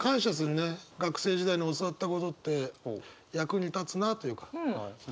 学生時代に教わったことって役に立つなというか。